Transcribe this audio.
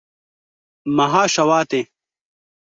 Meha Şewatê